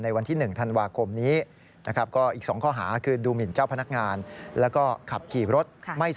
ในวันที่๑ธันวาคมนี้